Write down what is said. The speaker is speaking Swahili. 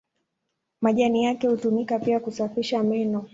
Majani yake hutumika pia kusafisha meno.